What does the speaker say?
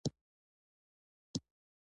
له خوړو او ښکلو ، ښکلو منظرو نه